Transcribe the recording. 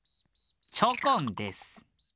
チョコンです。